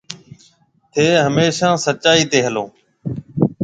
ٿَي هميشا سچائي تي هلو۔